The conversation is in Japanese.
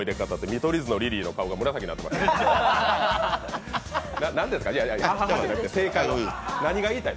見取り図のリリーの顔が紫になってました。